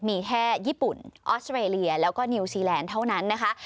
มีแค่ญี่ปุ่นออสเตรเลียแล้วก็นิวซีแลนด์เท่านั้นนะคะ